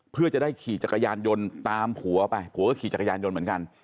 เพื่อจะได้ขี่จักรยานยนต์ตามผัวไปผัวก็ขี่จักรยานยนต์เหมือนกัน